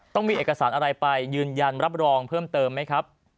ต้องมีเอกสารอะไรไปยืนยันรับรองเพิ่มเติมไหมครับ